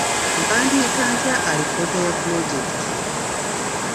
Mpandiika ntya alipoota ya pulojekiti?